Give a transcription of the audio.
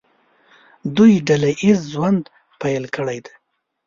دوی ډله ییز ژوند پیل کړی دی.